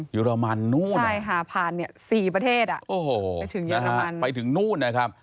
เยอรมันนู้นเหรอใช่ค่ะผ่านเนี่ย๔ประเทศอ่ะไปถึงเยอรมันโอ้โหไปถึงนู้นนะครับ